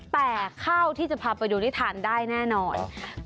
แต่ข้าวที่จะพาไปดูที่ทานได้แน่นอน